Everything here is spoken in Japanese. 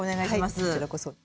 はいこちらこそ。